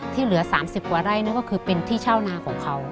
ที่เหลือ๓๐กว่าไร่นั่นก็คือเป็นที่เช่านาของเขา